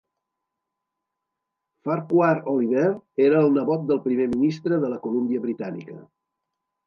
Farquhar Oliver era el nebot del primer ministre de la Colúmbia Britànica.